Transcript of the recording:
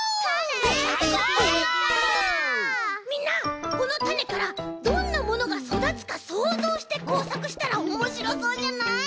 みんなこのたねからどんなものがそだつかそうぞうしてこうさくしたらおもしろそうじゃない？